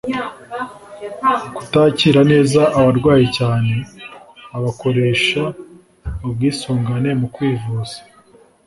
kutakira neza abarwayi cyane abakoresha ubwisungane mu kwivuza